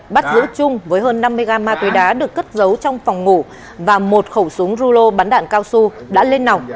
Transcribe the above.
bắt giữ trung với hơn năm mươi gram ma túy đá được cất giấu trong phòng ngủ và một khẩu súng rulo bắn đạn cao su đã lên nỏng